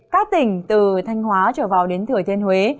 các tỉnh từ thanh hóa trở vào đến thừa thiên huế